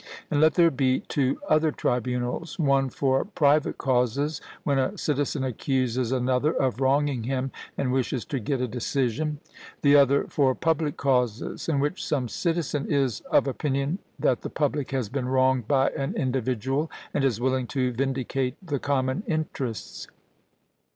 And let there be two other tribunals: one for private causes, when a citizen accuses another of wronging him and wishes to get a decision; the other for public causes, in which some citizen is of opinion that the public has been wronged by an individual, and is willing to vindicate the common interests.